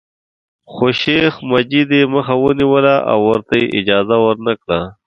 خو شیخ مجید یې مخه ونیوله او ورته یې اجازه ورنکړه.